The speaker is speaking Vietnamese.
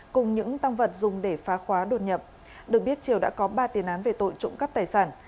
cùng những tăng vật dùng để phá khóa đột nhập được biết triều đã có ba tiền án về tội trộm cắp tài sản